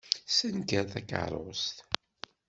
Ssenker takeṛṛust.